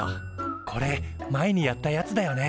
これ前にやったやつだよね。